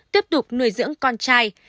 tiếp tục nuôi dưỡng con trai